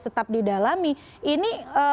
tetap didalami ini